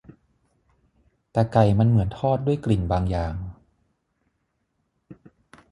แต่ไก่มันเหมือนทอดด้วยกลิ่นบางอย่าง